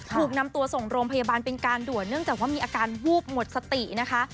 ถูกนำตัวส่งโรงพยาบาลเป็นการด่วนเนื่องจากว่ามีอาการวูบหมดสตินะคะ